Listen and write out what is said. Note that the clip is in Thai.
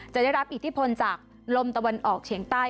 จะได้รับอิทธิพลจากลมตะวันออกเฉียงใต้